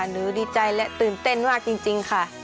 ดีใจและตื่นเต้นมากจริงค่ะ